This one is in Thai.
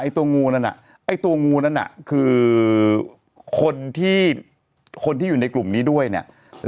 ตัวงูนั่นน่ะไอ้ตัวงูนั้นน่ะคือคนที่คนที่อยู่ในกลุ่มนี้ด้วยเนี่ย